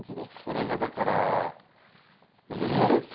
これがだからええ⁉